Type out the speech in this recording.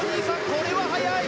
これは速い！